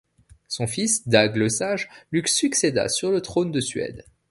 Son fils Dag le Sage lui succéda sur le trône de Suède.